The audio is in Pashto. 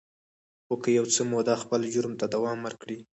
خو که يو څه موده خپل جرم ته دوام ورکړي.